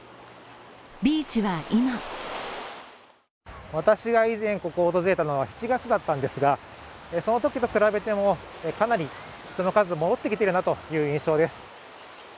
ビーチは今私が以前ここを訪れたのは７月だったんですがそのときと比べてもかなり人の数も戻ってきてるなという印象です。